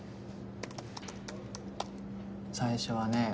最初はね